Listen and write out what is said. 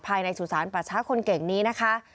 ภายในสุสานประชาคนเก่งนี้นะคะ